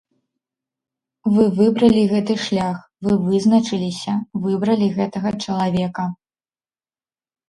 Вы выбралі гэты шлях, вы вызначыліся, выбралі гэтага чалавека.